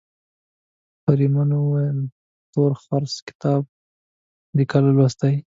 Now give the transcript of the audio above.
بریدمن وویل تورخرس کتاب دي کله لوستی.